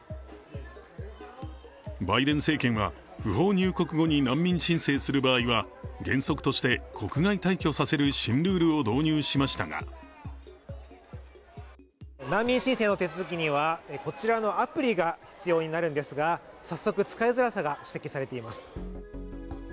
バイデン政権は不法入国後に難民申請する場合は原則として国外退去させる新ルールを導入しましたが難民申請の手続きには、こちらのアプリが必要になるんですが、早速、使いづらさが指摘されています。